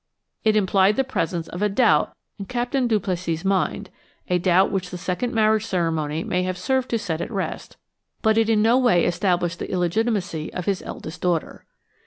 It implied the presence of a doubt in Captain Duplessis's mind, a doubt which the second marriage ceremony may have served to set at rest; but it in no way established the illegitimacy of his eldest daughter.